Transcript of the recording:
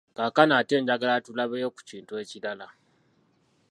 Kaakano ate njagala tulabeyo ku kintu ekirala.